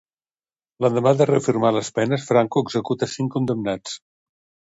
L'endemà de reafirmar les penes, Franco executa cinc condemnats.